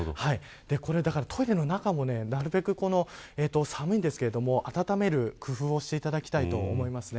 これ、トイレの中もなるべく寒いんですけれども温める工夫をしていただきたいと思います。